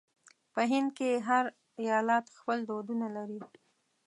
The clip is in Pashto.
په هند کې هر ایالت خپل دودونه لري.